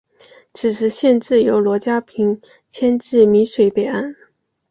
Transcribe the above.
此时县治由罗家坪迁至洣水北岸。